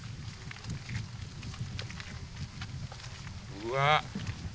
うわっ